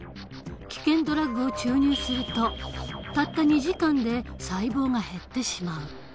危険ドラッグを注入するとたった２時間で細胞が減ってしまう。